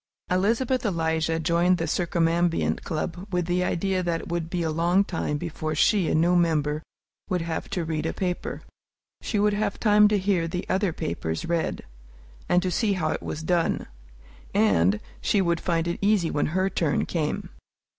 Elizabeth Eliza joined the Circumambient Club with the idea that it would be a long time before she, a new member, would have to read a paper. She would have time to hear the other papers read, and to see how it was done; and she would find it easy when her turn came.